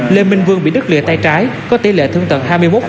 lê minh vương bị đứt lìa tay trái có tỷ lệ thương tật hai mươi một